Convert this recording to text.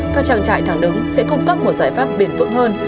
các trang trại thẳng đứng sẽ cung cấp một giải pháp bền vững hơn